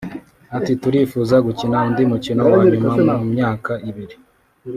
Ati “ Turifuza gukina undi mukino wa nyuma mu myaka ibiri